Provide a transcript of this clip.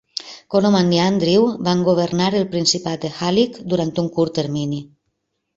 Coloman i Andrew van governar el principat de Halych durant un curt termini.